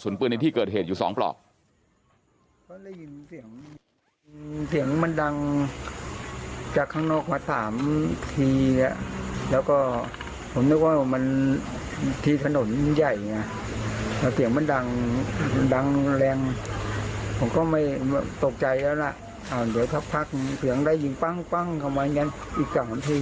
เสียงมันดังจากข้างนอกมาสามทีอ่ะแล้วก็ผมนึกว่ามันที่ถนนใหญ่อ่ะที่เสียงมันดังดังแรงผมก็ไม่ตกใจแล้วล่ะอ่าเดี๋ยวทับพักเสียงได้ยิงปั้งปั้งเข้ามาอย่างงี้อีกกำลังที